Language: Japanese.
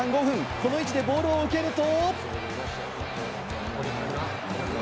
この位置でボールを受けると。